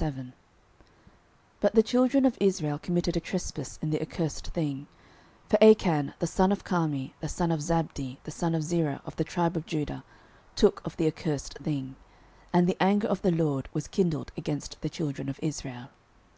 06:007:001 But the children of Israel committed a trespass in the accursed thing: for Achan, the son of Carmi, the son of Zabdi, the son of Zerah, of the tribe of Judah, took of the accursed thing: and the anger of the LORD was kindled against the children of Israel.